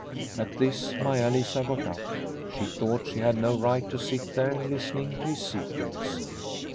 At this, Maia Lisa got up. She thought she had no right to sit there listening to his secrets.